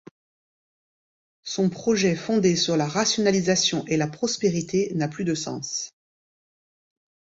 Son projet fondé sur la rationalisation et la prospérité, n'a plus de sens.